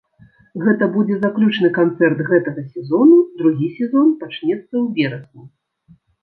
Гэта будзе заключны канцэрт гэтага сезону, другі сезон пачнецца ў верасні.